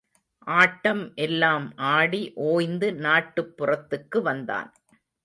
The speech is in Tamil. ஆட்டம் எல்லாம் ஆடி ஓய்ந்து நாட்டுப் புறத்துக்கு வந்தான்.